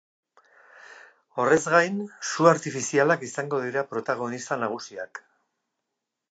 Horrez gain, su artifizialak izango dira protagonista nagusiak.